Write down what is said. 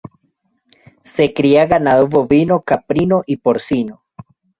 Se cría ganado bovino, caprino y porcino.